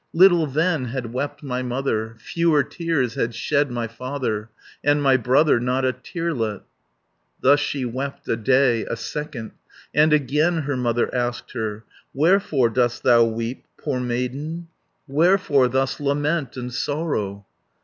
Little then had wept my mother, Fewer tears had shed my father, And my brother not a tearlet." 230 Thus she wept a day, a second. And again her mother asked her, "Wherefore dost thou weep, poor maiden. Wherefore thus lament and sorrow?"